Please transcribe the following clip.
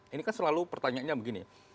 ini kan selalu pertanyaannya begini